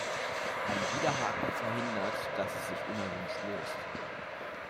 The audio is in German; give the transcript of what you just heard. Ein Widerhaken verhindert, dass es sich unerwünscht löst.